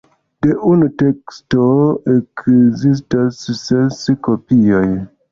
De unu teksto ekzistas ses kopioj.